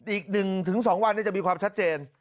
อีก๑๒วันจะมีความชัดเจน